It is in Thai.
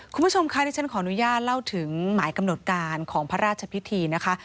คุณผู้ชมคะที่ฉันขออนุญาตเล่าถึงหมายกำหนดการของพระราชพิธีนะคะ